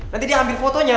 nanti dia ambil fotonya ya